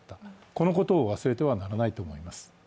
このことを忘れてはならないと思います。